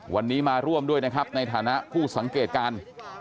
วันนี้มาร่วมด้วยนะครับในฐานะผู้สังเกตการ